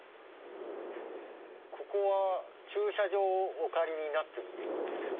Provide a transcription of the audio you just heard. ここは駐車場をお借りになってる？